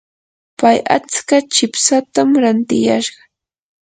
pay atska chipsatam rantiyashqa.